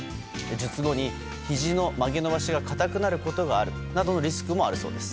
術後にひじの曲げ伸ばしが固くなることがあるなどのリスクもあるそうです。